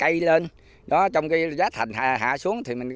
chủ yếu trồng tập trung ở xã tân khánh trung